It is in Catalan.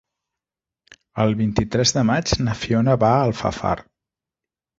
El vint-i-tres de maig na Fiona va a Alfafar.